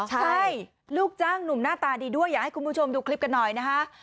ใช่ลูกจ้างหนุ่มหน้าตาดีด้วยอยากให้คุณผู้ชมดูคลิปกันหน่อยนะคะ